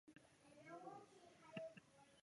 女主角在学校听说有女生在校外卖淫。